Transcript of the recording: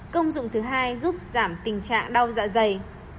công dụng thứ hai giúp giảm tình trạng đau dạ dày